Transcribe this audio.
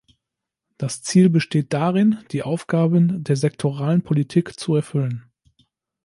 Das Ziel besteht darin, die Aufgaben der sektoralen Politik zu erfüllen.